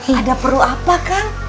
ada perlu apa kang